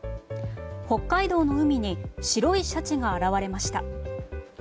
北海道の海に白いシャチが現れました。